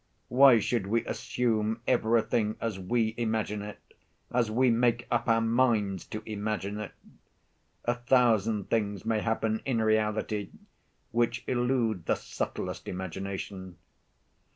Why should we assume everything as we imagine it, as we make up our minds to imagine it? A thousand things may happen in reality which elude the subtlest imagination.